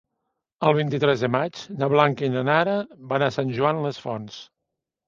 El vint-i-tres de maig na Blanca i na Nara van a Sant Joan les Fonts.